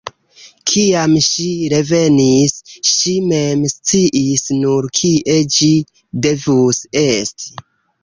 Kiam ŝi revenis, ŝi mem sciis nur, kie ĝi devus esti.